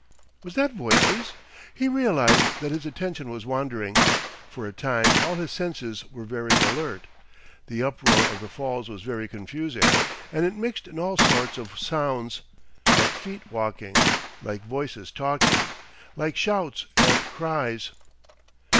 Was that voices? He realised that his attention was wandering. For a time all his senses were very alert. The uproar of the Falls was very confusing, and it mixed in all sorts of sounds, like feet walking, like voices talking, like shouts and cries.